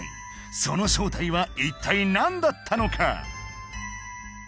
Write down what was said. その正体は一体何だったのか